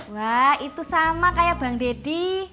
wah itu sama kayak bang deddy